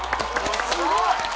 すごい！